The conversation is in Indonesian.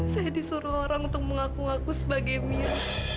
saya disuruh orang untuk mengaku ngaku sebagai mir